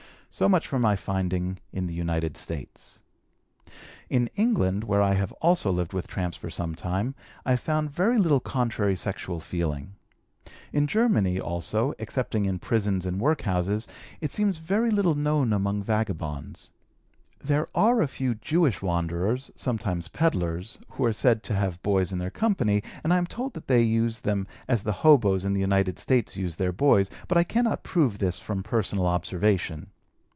So much for my finding in the United States. In England, where I have also lived with tramps for some time, I have found very little contrary sexual feeling. In Germany, also, excepting in prisons and work houses, it seems very little known among vagabonds. There are a few Jewish wanderers (sometimes peddlers) who are said to have boys in their company, and I am told that they use them as the hoboes in the United States use their boys, but I cannot prove this from personal observation.